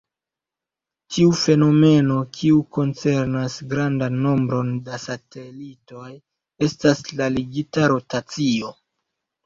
Tiu fenomeno, kiu koncernas grandan nombron da satelitoj, estas la ligita rotacio.